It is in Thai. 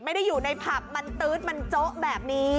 ไม่ได้อยู่ในผับมันตื๊ดมันโจ๊ะแบบนี้